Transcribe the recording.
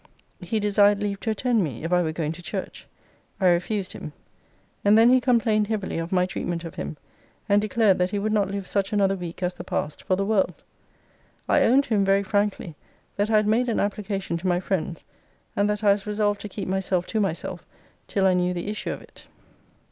He desired leave to attend me, if I were going to church. I refused him. And then he complained heavily of my treatment of him; and declared that he would not live such another week as the past, for the world. I owned to him very frankly, that I had made an application to my friends; and that I was resolved to keep myself to myself till I knew the issue of it.